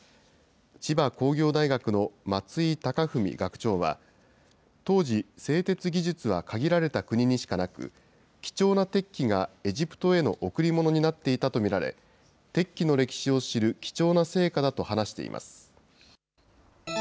千葉工業大学の松井孝典学長は、当時、製鉄技術は限られた国にしかなく、貴重な鉄器がエジプトへの贈り物になっていたと見られ、鉄器の歴史を知る貴重な成果だと話しています。